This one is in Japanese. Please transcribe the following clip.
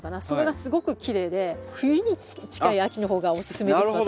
それがすごくきれいで冬に近い秋の方がおすすめです